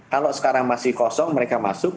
kalau sekarang masih kosong mereka masuk